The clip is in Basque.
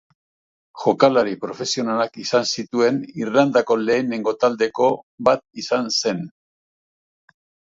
Jokalari profesionalak izan zituen Irlandako lehenengo taldeetako bat izan zen.